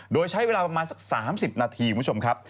โดยใช้เวลาประมาณสัก๓๐นาทีคุณผู้ชมครับ